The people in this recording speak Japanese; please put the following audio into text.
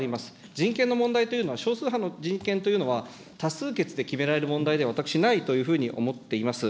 人権の問題というのは、少数派の人権というのは、多数決で決められる問題では私、ないというふうに思っています。